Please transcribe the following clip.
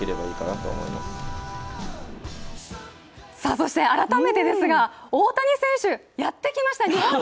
そして改めてですが、大谷選手やってきました、日本に！